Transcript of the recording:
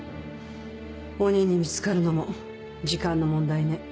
鬼に見つかるのも時間の問題ね。